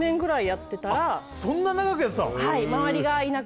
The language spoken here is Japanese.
そんな長くやってたの？